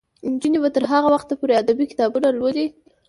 نجونې به تر هغه وخته پورې ادبي کتابونه لولي.